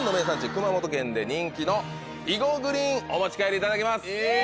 熊本県で人気の肥後グリーンお持ち帰りいただきます。